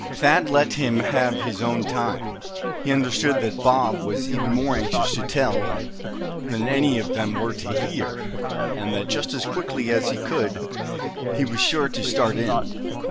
Thad let him have his own time. He understood that Bob was even more anxious to tell, than any of them were to hear; and that just as quickly as he could, he was sure to start in.